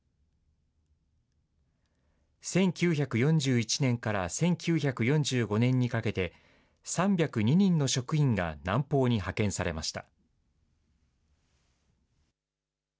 １９４１年から１９４５年にかけて、３０２人の職員が南方に派遣されました。